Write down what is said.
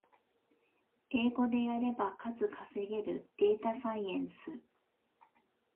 英語でやれば数稼げるデータサイエンス